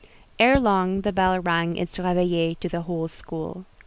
Ere long the bell rang its réveillée to the whole school.